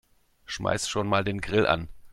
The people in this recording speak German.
Schmeiß schon mal den Grill an.